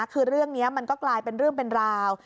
คือเรื่องนี้มันก็กลายเป็นเรื่องเป็นราว